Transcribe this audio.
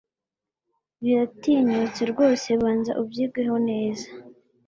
Biratinyutse rwose BANZA ubyigeho neza